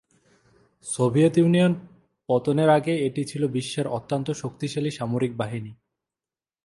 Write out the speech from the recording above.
Soviet Union পতনের আগে এটি ছিল বিশ্বের অত্যন্ত শক্তিশালী সামরিক বাহিনী।